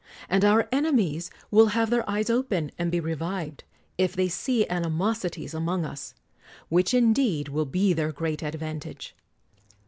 And our ene mies will have their eyes open, and be revived, if they see animosities among us; which indeed will be their great advantage.